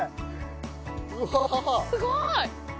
すごい！